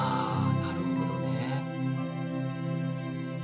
なるほどね。